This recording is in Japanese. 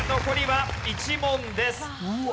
残りは１問です。